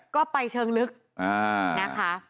ก็ไปเชิงลึกนะคะ